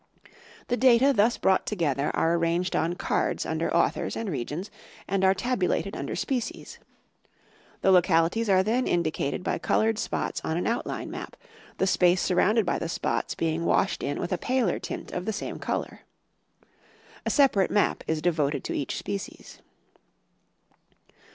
The data thus brought together are arranged on cards under authors and regions, and are tabula ted under species. The localities are then indicated by colored spots on an outline map,. the space surrounded by the spots being washed in with a paler tint of the same color. A separate map is devoted to each species.